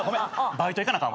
バイト行かなあかんわ。